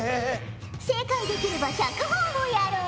正解できれば１００ほぉをやろう。